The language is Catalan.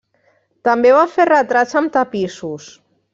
També va fer retrats amb tapissos.